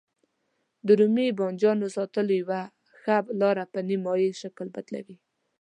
د رومي بانجانو ساتلو یوه ښه لاره په نیم مایع شکل بدلول دي.